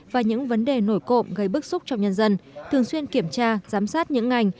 và những vấn đề nổi cộng gây bức xúc trong nhân dân thường xuyên kiểm tra giám sát những ngành